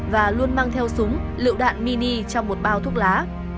và luôn mang theo súng liệu đạn mini trong một bao thuốc lá